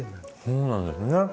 そうなんですね。